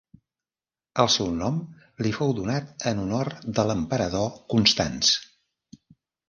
El seu nom li fou donat en honor de l'emperador Constanç.